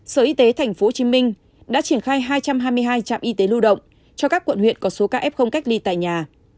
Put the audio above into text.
sở y tế tp hcm đã triển khai hai trăm hai mươi hai trạm y tế lưu động cho các quận huyện có số ca f cách ly tại nhà